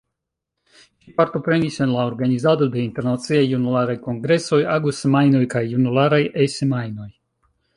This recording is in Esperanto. Ŝi partoprenis en la organizado de Internaciaj Junularaj Kongresoj, Ago-Semajnoj kaj Junularaj E-Semajnoj.